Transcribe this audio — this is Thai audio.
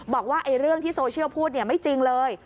บอกว่าเรื่องที่โซเชียลพูดไม่จริงเลย